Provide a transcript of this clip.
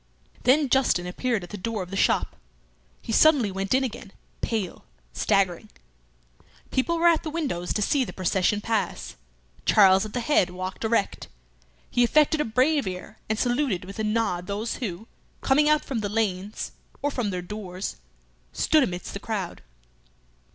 Then Justin appeared at the door of the shop. He suddenly went in again, pale, staggering. People were at the windows to see the procession pass. Charles at the head walked erect. He affected a brave air, and saluted with a nod those who, coming out from the lanes or from their doors, stood amidst the crowd.